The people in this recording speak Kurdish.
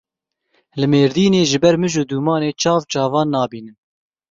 Li Mêrdînê ji ber mij û dûmanê çav çavan nabînin.